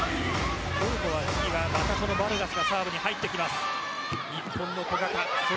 トルコは、またバルガスがサーブに入ってきています。